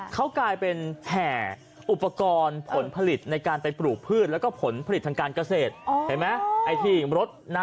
เขากลายเป็นแห่อุปกรณ์ผลผลิตในการไปปลูกพืชแล้วก็ผลผลิตทางการเกษตรเห็นไหม